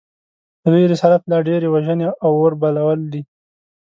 د دوی رسالت لا ډېرې وژنې او اوربلول دي